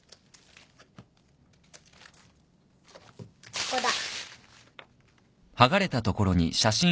ここだ。